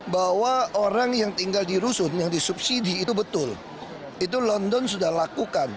bahwa orang yang tinggal di rusun yang disubsidi itu betul itu london sudah lakukan